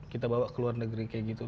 kita bawa ke luar negeri kayak gitu